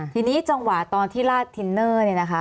ทีนี้จังหวะตอนที่ลาดทินเนอร์เนี่ยนะคะ